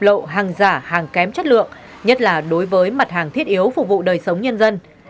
lộ hàng giả hàng kém chất lượng nhất là đối với mặt hàng thiết yếu phục vụ đời sống nhân dân